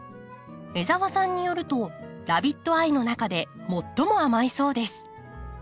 江澤さんによるとラビットアイの中で最も甘いそうです。